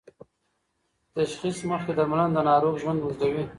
تشخیص مخکې درملنه د ناروغ ژوند اوږدوي.